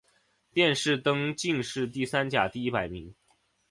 殿试登进士第三甲第一百名。